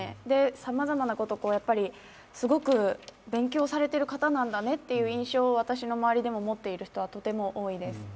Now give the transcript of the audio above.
さまざまなことをすごく勉強されてる方なんだねっていう印象を私の周りでも持っている人はとても多いです。